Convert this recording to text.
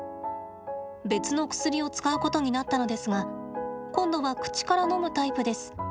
別の薬を使うことになったのですが今度は口からのむタイプです。